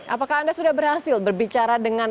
apakah anda sudah berhasil berbicara dengan